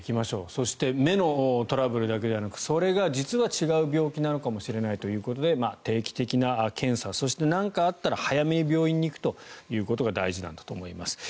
そして目のトラブルだけではなくそれが実は違う病気なのかもしれないということで定期的な検査そして何かあったら早めに病院に行くことが大事なんだと思います。